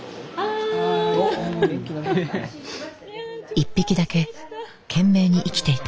１匹だけ懸命に生きていた。